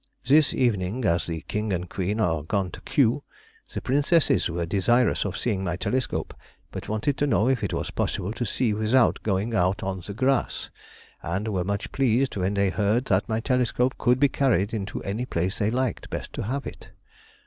This evening, as the King and Queen are gone to Kew, the Princesses were desirous of seeing my telescope, but wanted to know if it was possible to see without going out on the grass, and were much pleased when they heard that my telescope could be carried into any place they liked best to have it.